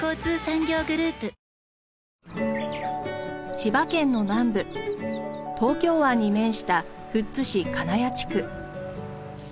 千葉県の南部東京湾に面した富津市金谷地区。